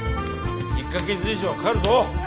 １か月以上かかるぞ！